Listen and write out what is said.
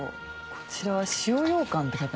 こちらは「塩ようかん」って書いて。